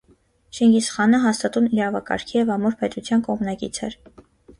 Չինգիզ խանը հաստատուն իրավակարգի և ամուր պետության կողմնակից էր։